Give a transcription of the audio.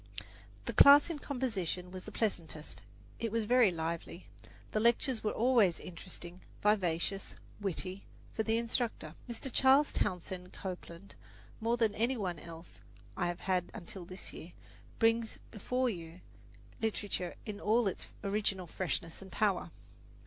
The class in composition was the pleasantest. It was very lively. The lectures were always interesting, vivacious, witty; for the instructor, Mr. Charles Townsend Copeland, more than any one else I have had until this year, brings before you literature in all its original freshness and power.